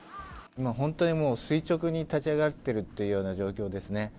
今、本当にもう、垂直に立ち上がってるっていうような状況ですね。